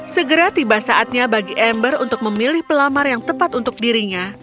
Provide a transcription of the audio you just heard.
segera tiba saatnya bagi ember untuk memilih pelamar yang tepat untuk dirinya